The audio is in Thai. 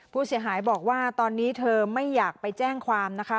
ผู้เสียหายบอกว่าตอนนี้เธอไม่อยากไปแจ้งความนะคะ